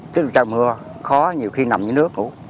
trên trời mưa khó nhiều khi nằm dưới nước ngủ